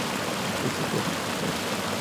Principe di Grecia.